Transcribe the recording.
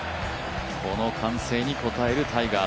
この歓声に応えるタイガー。